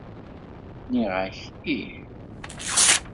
Nniɣ-ak ih.